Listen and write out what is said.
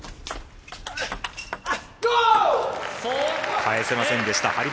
返せませんでした、張本。